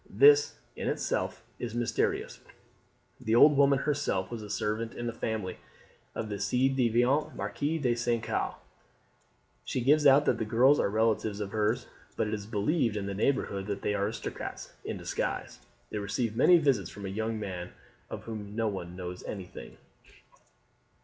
This, in itself, is mysterious; the old woman herself was a servant in the family of the ci devant Marquis de St. Caux. She gives out that the girls are relatives of hers, but it is believed in the neighbourhood that they are aristocrats in disguise. They receive many visits from a young man of whom no one knows anything."